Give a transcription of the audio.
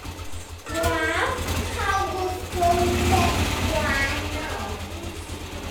Braf cael gwisgo rhywbeth gwahanol.